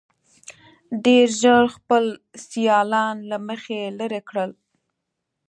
ډېر ژر خپل سیالان له مخې لرې کړل.